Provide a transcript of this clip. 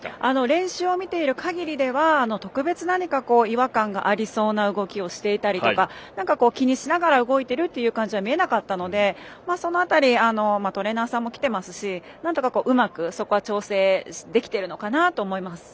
練習を見ているかぎりでは特別、何か違和感がありそうな動きをしていたりとかなんか気にしながら動いてるという感じは見えなかったのでその辺りトレーナーさんも来てますしなんとかうまく、そこは調整できているのかなと思います。